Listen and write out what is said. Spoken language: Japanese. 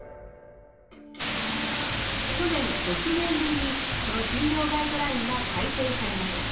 去年６年ぶりにその診療ガイドラインが改訂されました。